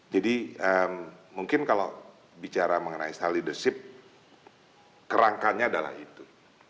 mungkin kalau bicara mengenai leadership kerangkanya adalah itu